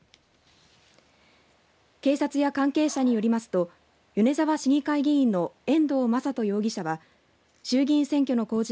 警察や関係者によりますと米沢市議会議員の遠藤正人容疑者は衆議院選挙の公示